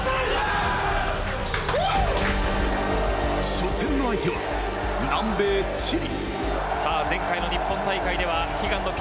初戦の相手は、南米・チリ。